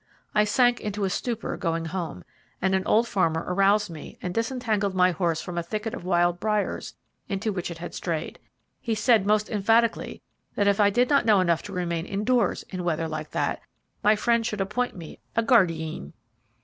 I sank into a stupor going home, and an old farmer aroused me, and disentangled my horse from a thicket of wild briers into which it had strayed. He said most emphatically that if I did not know enough to remain indoors weather like that, my friends should appoint me a 'guardeen.'